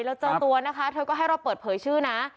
เราเจอตัวนะคะเธอก็ให้เราเปิดเผยชื่อนะ